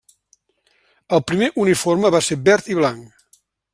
El primer uniforme va ser verd i blanc.